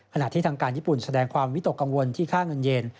ที่ทางการญี่ปุ่นแสดงความวิตกกังวลที่ค่าเงินเย็น